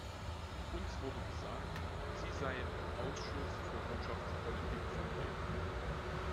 Uns wurde gesagt, sie seien im Ausschuss für Wirtschaftspolitik vertreten.